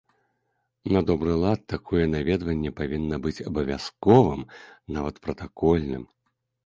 На добры лад, такое наведванне павінна быць абавязковым, нават пратакольным.